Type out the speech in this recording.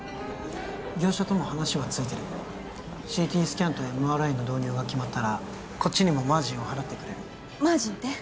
業者とも話はついてるＣＴスキャンとＭＲＩの導入が決まったらこっちにもマージンを払ってくれるマージンって？